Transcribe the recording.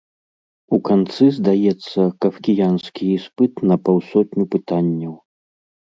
У канцы здаецца кафкіянскі іспыт на паўсотню пытанняў.